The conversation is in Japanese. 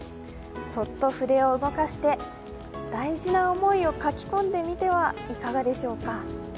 そっと筆を動かして大事な思いを書き込んでみてはいかがでしょうか。